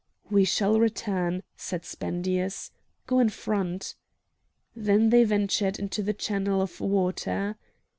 "We shall return," said Spendius; "go in front." Then they ventured into the channel of water.